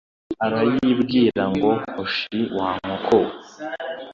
Arayibwira ngo hoshi wa nkoko we